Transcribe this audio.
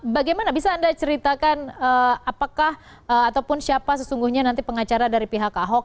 bagaimana bisa anda ceritakan apakah ataupun siapa sesungguhnya nanti pengacara dari pihak ahok